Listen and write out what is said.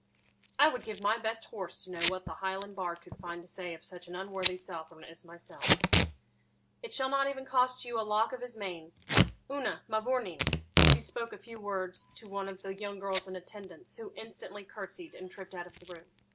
'I would give my best horse to know what the Highland bard could find to say of such an unworthy Southron as myself.' 'It shall not even cost you a lock of his mane. Una, mavourneen! (She spoke a few words to one of the young girls in attendance, who instantly curtsied and tripped out of the room.)